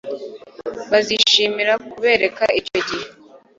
Bazishimira kubereka icyo gihe